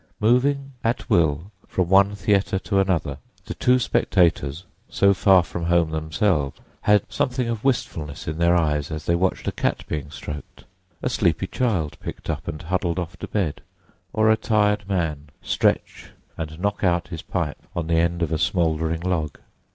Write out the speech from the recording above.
Moving at will from one theatre to another, the two spectators, so far from home themselves, had something of wistfulness in their eyes as they watched a cat being stroked, a sleepy child picked up and huddled off to bed, or a tired man stretch and knock out his pipe on the end of a smouldering log.